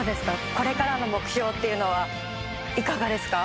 これからの目標っていうのはいかがですか？